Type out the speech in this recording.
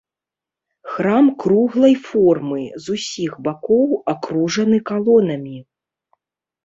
Храм круглай формы, з усіх бакоў акружаны калонамі.